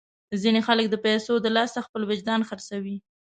ځینې خلک د پیسو د لاسه خپل وجدان خرڅوي.